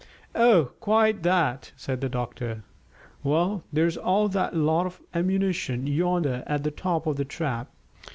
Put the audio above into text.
"Oh, quite that," said the doctor. "Well, there's all that lot of ammunition yonder at the top of the trap."